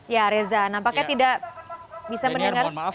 ya reza nampaknya tidak bisa mendengar